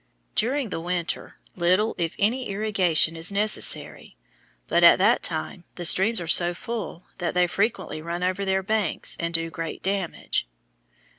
During the winter little if any irrigation is necessary, but at that time the streams are so full that they frequently run over their banks and do great damage.